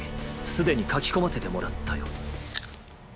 すでに「書き込ませて」もらったよ。